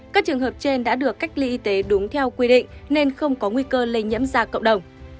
các trường hợp trên đã được cách ly y tế đúng theo quy định nên không có nguy cơ lây nhiễm ra cộng đồng